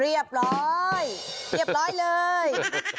เรียบร้อยเรียบร้อยเลย